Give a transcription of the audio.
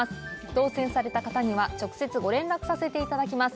当選された方には直接ご連絡させて頂きます